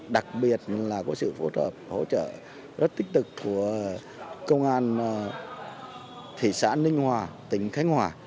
đặc biệt là có sự phối hợp hỗ trợ rất tích cực của công an thị xã ninh hòa tỉnh khánh hòa